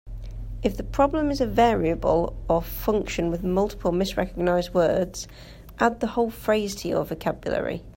If the problem is a variable or function with multiple misrecognized words, add the whole phrase to your vocabulary.